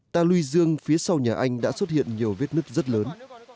ta luy dương phía sau nhà anh đã xuất hiện nhiều vết nứt rất lớn